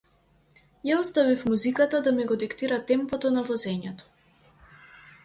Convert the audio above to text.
Ја оставив музиката да ми го диктира темпото на возењето.